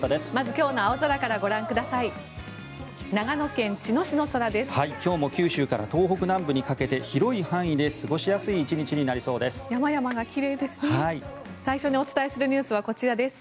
今日も九州から東北南部にかけて広い範囲で過ごしやすい１日になりそうです。